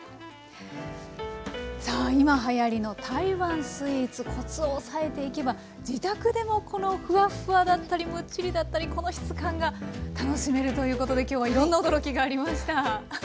さあ今はやりの台湾スイーツコツを押さえていけば自宅でもこのフワッフワだったりムッチリだったりこの質感が楽しめるということできょうはいろんな驚きがありました。